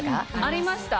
ありました。